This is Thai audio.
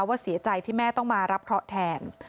เสียใจที่แม่ต้องมารับเคราะห์แทน